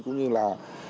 cũng như là